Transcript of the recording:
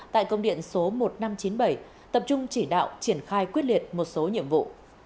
tại công điện số một nghìn năm trăm chín mươi bảy tập trung chỉ đạo triển khai quyết liệt một số nhiệm vụ